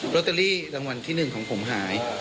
ตเตอรี่รางวัลที่๑ของผมหาย